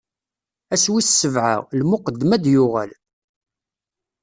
Ass wis sebɛa, lmuqeddem ad yuɣal.